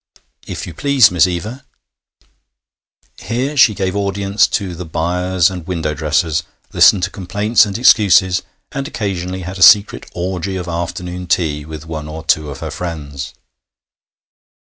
'If you please, Miss Eva '. Here she gave audience to the 'buyers' and window dressers, listened to complaints and excuses, and occasionally had a secret orgy of afternoon tea with one or two of her friends.